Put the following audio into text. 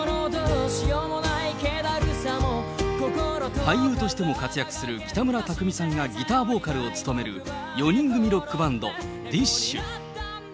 俳優としても活躍する北村匠海さんがギターボーカルを務める、４人組ロックバンド、ディッシュ。